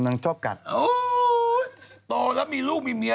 หายใจออยปอกไปเนี่ย